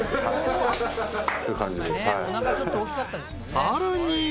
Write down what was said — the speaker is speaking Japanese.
［さらに］